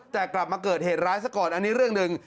แต่กลับมาเกิดเหตุร้ายซะก่อนอันนี้เรื่องหนึ่ง